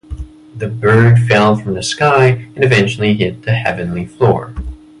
The bird fell from the sky and eventually hit the heavenly floor.